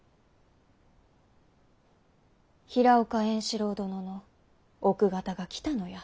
平岡円四郎殿の奥方が来たのや。